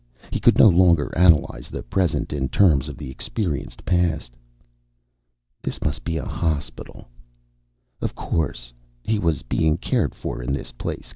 He could no longer analyze the present in terms of the experienced past. This must be a hospital. Of course. He was being cared for in this place.